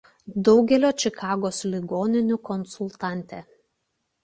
Daugelio Čikagos ligoninių konsultantė.